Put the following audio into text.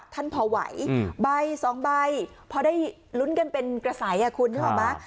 เท่าที่พอไหวใบ๒ใบพอได้รุ่นไปเป็นกระสายอย่างคุณเข้ามา